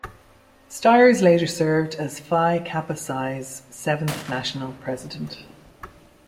Stires later served as Phi Kappa Psi's seventh national President.